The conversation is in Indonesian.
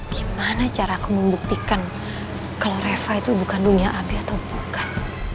gimana caraku membuktikan kalau reva itu bukan dunia abi atau bukan